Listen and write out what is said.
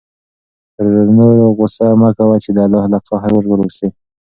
پر نورو غصه مه کوه چې د الله له قهر وژغورل شې.